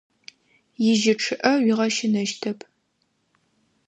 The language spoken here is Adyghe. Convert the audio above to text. Ижьы чъыӏэ уигъэщынэщтэп.